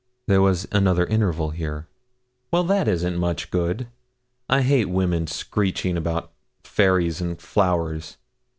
There was another interval here. 'Well, that isn't much good. I hate women's screechin' about fairies and flowers.